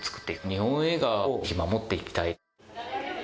日本映画を守って行きたい。